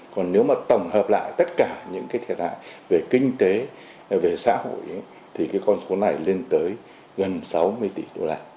còn nếu mà tổng hợp lại tất cả những cái thiệt hại về kinh tế về xã hội thì cái con số này lên tới gần sáu mươi tỷ đô la